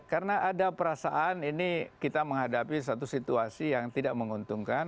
karena ada perasaan ini kita menghadapi satu situasi yang tidak menguntungkan